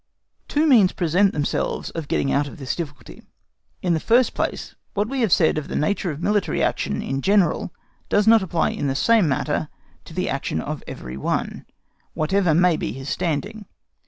Two means present themselves of getting out of this difficulty. In the first place, what we have said of the nature of military action in general does not apply in the same manner to the action of every one, whatever may be his standing.